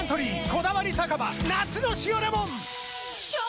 「こだわり酒場夏の塩レモン」！